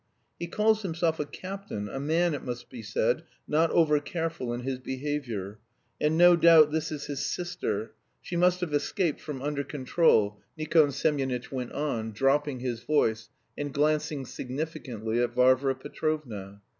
"He calls himself a captain, a man, it must be said, not over careful in his behaviour. And no doubt this is his sister. She must have escaped from under control," Nikon Semyonitch went on, dropping his voice, and glancing significantly at Varvara Petrovna.